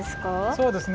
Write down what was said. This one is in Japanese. そうですね